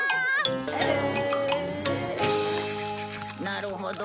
なるほど。